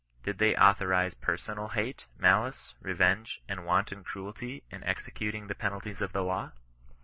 Did they authorize personal hate, malice, revenge, and wanton cruelty in executing the penalties of the law